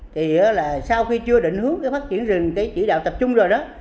thì là sau khi chưa định hướng cái phát triển rừng cái chỉ đạo tập trung rồi đó